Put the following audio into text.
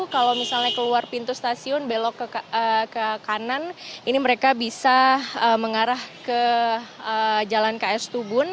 kalau misalnya keluar pintu stasiun belok ke kanan ini mereka bisa mengarah ke jalan ks tubun